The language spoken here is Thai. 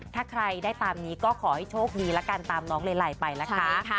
ถ้าใครได้ตามนี้ก็ขอให้โชคดีละกันตามน้องเลไลไปนะคะ